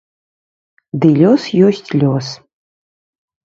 Ды лёс ёсць лёс.